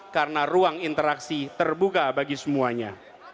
karena ruang interaksi terbuka bagi kita